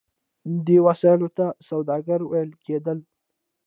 دې وسیلو ته سوداګر ویل کیدل.